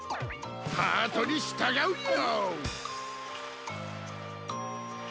ハートにしたがうよ！